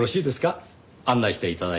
案内して頂いても。